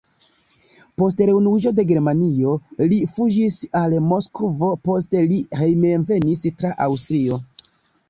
Post reunuiĝo de Germanio, li fuĝis al Moskvo, poste li hejmenvenis tra Aŭstrio.